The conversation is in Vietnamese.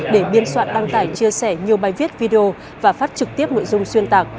để biên soạn đăng tải chia sẻ nhiều bài viết video và phát trực tiếp nội dung xuyên tạc